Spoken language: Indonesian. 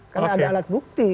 karena ada alat bukti